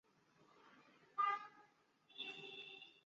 万历四十三年乡试中五十九名举人。